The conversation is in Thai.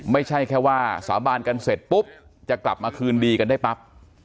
ไม่ใช่แค่ว่าสาบานกันเสร็จปุ๊บจะกลับมาคืนดีกันได้ปั๊บ